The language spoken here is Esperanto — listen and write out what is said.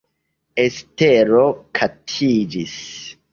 Estero katiĝis.